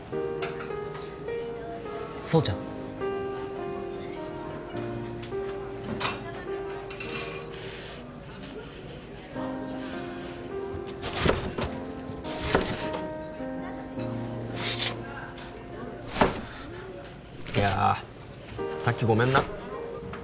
蒼ちゃん？いやさっきごめんな？